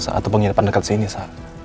sa atau penghidupan dekat sini sa